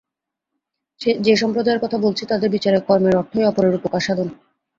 যে সম্প্রদায়ের কথা বলছি, তাঁদের বিচারে কর্মের অর্থই অপরের উপকার-সাধন।